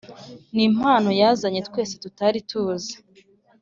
nimpano yazanye twese tutari tuzi.